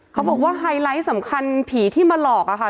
เขาบอกว่าไฮไลท์สำคัญผีที่มาหลอกอะค่ะ